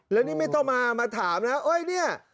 แล้วนี่ไม่ต้องมาถามนะเอ้ยเนี่ย